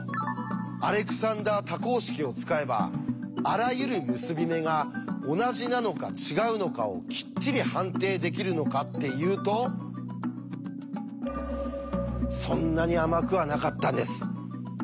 アレクサンダー多項式を使えばあらゆる結び目が同じなのか違うのかをきっちり判定できるのかっていうとそんなに甘くはなかったんです。